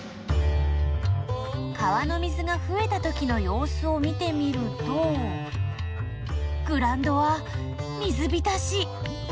川の水がふえた時のよう子を見てみるとグラウンドは水びたし。